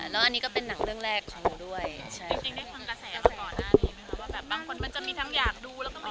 อย่างเวอร์ชันราคอนเขาก็ทำแบบดีมาก